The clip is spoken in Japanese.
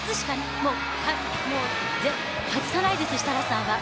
もう外さないです、設楽さんは。